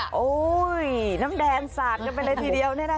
โอ้โฮน้ำแดงสาดกันไปเลยทีเดียวนี่นะคะ